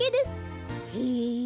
へえ。